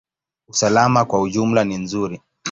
Usalama kwa ujumla ni nzuri.